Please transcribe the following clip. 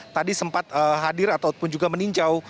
tadi sempat hadir ataupun juga meninjau